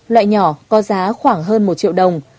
loại nhỏ có giá khoảng hơn một triệu đồng